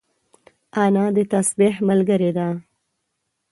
انا د تسبيح ملګرې ده